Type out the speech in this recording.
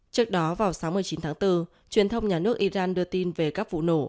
trước đó vào sáu mươi chín tháng bốn truyền thông nhà nước iran đưa tin về các vụ nổ